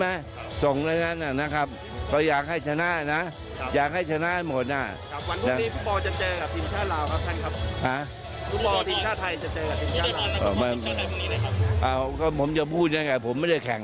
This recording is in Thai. ฟังกันดูครับ